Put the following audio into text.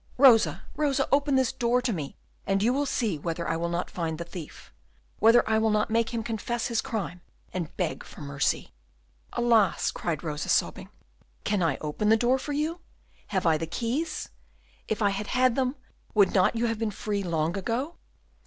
"Rosa, Rosa, open this door to me, and you will see whether I will not find the thief, whether I will not make him confess his crime and beg for mercy." "Alas!" cried Rosa, sobbing, "can I open the door for you? have I the keys? If I had had them, would not you have been free long ago?"